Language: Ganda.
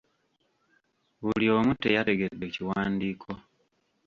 Buli omu teyategedde kiwandiiko.